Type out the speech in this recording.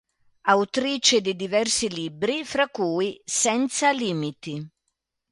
Autrice di diversi libri fra cui "Senza limiti.